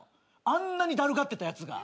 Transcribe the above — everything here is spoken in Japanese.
あんなにだるがってたやつが。